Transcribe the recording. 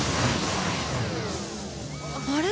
あれ？